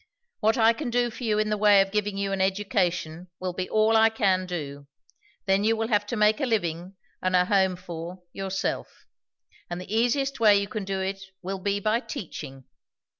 What I can do for you in the way of giving you an education, will be all I can do; then you will have to make a living and a home for, yourself; and the easiest way you can do it will be by teaching.